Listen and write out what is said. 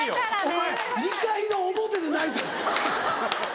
お前２回の表で泣いたん？